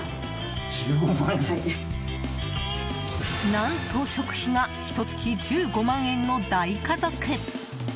何と、食費がひと月１５万円の大家族。